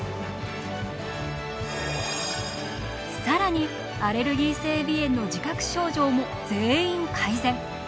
更にアレルギー性鼻炎の自覚症状も全員改善。